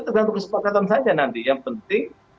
tergantung kesepakatan saja nanti yang penting